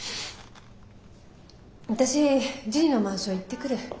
私ジュニのマンション行ってくる。